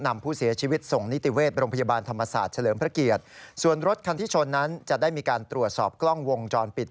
นำผู้เสียชีวิตส่งนิติเวชโรงพยาบาลธรรมศาสตร์เฉลิมพระเกียรติส่วนรถคันที่ชนนั้นจะได้มีการตรวจสอบกล้องวงจรปิด